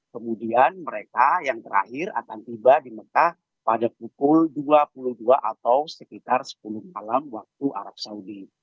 kemudian mereka yang terakhir akan tiba di mekah pada pukul dua puluh dua atau sekitar sepuluh malam waktu arab saudi